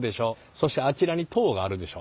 そしてあちらに塔があるでしょ？